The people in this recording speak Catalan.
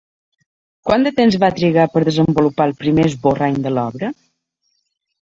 Quant de temps va trigar per desenvolupar el primer esborrany de l'obra?